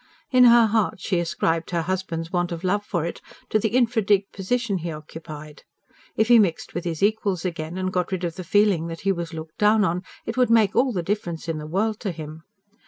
In her heart she ascribed her husband's want of love for it to the "infra dig" position he occupied. If he mixed with his equals again and got rid of the feeling that he was looked down on, it would make all the difference in the world to him.